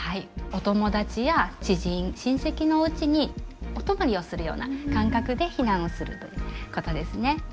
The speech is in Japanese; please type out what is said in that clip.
お友達や知人親戚のおうちにお泊まりをするような感覚で避難をするということですね。